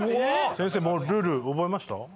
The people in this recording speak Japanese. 先生もうルール覚えました？